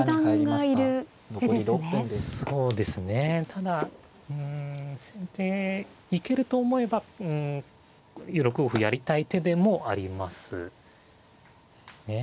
ただうん先手行けると思えばうん６五歩やりたい手でもありますね。